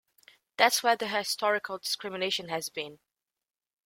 That's where the historical discrimination has been.